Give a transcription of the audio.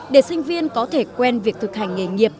để sinh viên có thể quen việc thực hành nghề nghiệp